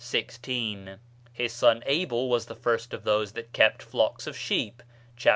16); his son Abel was the first of those that kept flocks of sheep (chap.